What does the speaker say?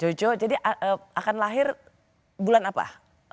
jojo jadi akan lahir bulan apa